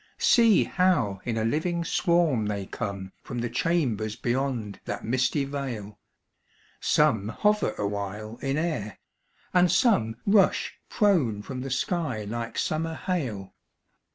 See how in a living swarm they come From the chambers beyond that misty vail ; Some hover awhile in air, and some Rush prone from the sky like summer hail.